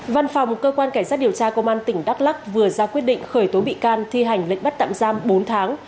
văn phòng cơ quan cảnh sát điều tra công an tỉnh đắk lắc vừa ra quyết định khởi tố bị can thi hành lệnh bắt tạm giam bốn tháng